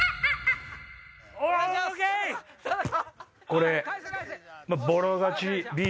これ。